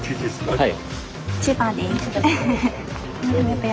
はい。